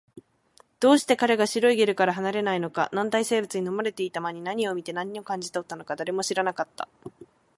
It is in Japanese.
どうして彼が白いゲルから離れないのか、軟体生物に飲まれていた間に何を見て、何を感じたのか、誰も知らなかった